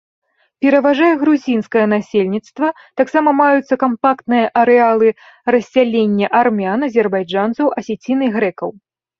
Пераважае грузінскае насельніцтва, таксама маюцца кампактныя арэалы рассялення армян, азербайджанцаў, асецін і грэкаў.